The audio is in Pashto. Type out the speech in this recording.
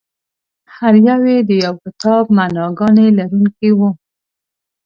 هر یو یې د یو کتاب معناګانې لرونکي وو.